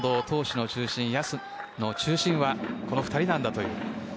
投手の中心、野手の中心はこの２人なんだという。